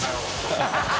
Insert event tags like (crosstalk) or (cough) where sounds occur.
ハハハ (laughs)